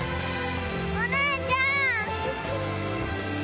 お姉ちゃん！